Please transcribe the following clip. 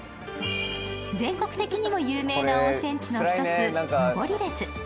全国的にも有名な温泉地の一つ登別。